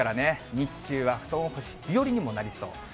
日中は布団干し日和にもなりそう。